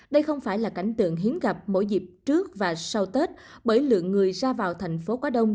đây không phải là cảnh tượng hiếm gặp mỗi dịp trước và sau tết bởi lượng người ra vào thành phố quá đông